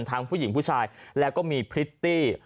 ผู้หญิงผู้ชายแล้วก็มีพริตตี้